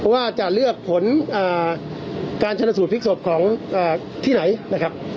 ว่าจะเลือกผลการชนสูตรพลิกศพของที่ไหนนะครับ